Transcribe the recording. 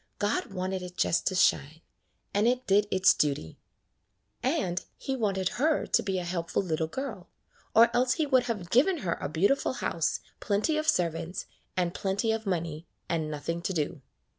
God wanted it just to shine, and it did its duty. And He wanted her to be a helpful little girl, or else He would have given her a beautiful house, plenty of servants, and plenty of money, and nothing to do.